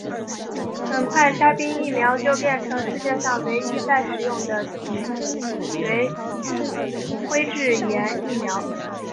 很快沙宾疫苗就变成世界上唯一在使用的脊髓灰质炎疫苗。